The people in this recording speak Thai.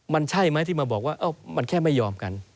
มันใช่ไหมที่มาบอกว่ามันแค่ไม่ยอมกัน